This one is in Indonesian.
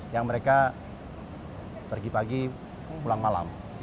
yang mereka pergi pagi pulang malam